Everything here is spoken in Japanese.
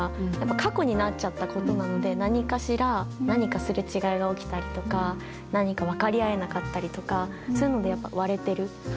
過去になっちゃったことなので何かしら何かすれ違いが起きたりとか何か分かり合えなかったりとかそういうので割れてる。